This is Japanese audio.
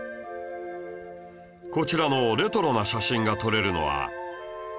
こちらのレトロな写真が撮れるのは